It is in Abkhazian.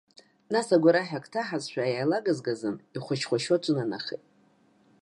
Нас, агәараҳәа акы ҭаҳазшәа иааилагазгазан, ихәашьуа-ихәашьуа аҿынанахеит.